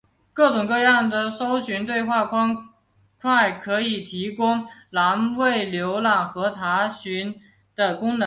各式各样的搜寻对话方块可提供栏位浏览或查询的功能。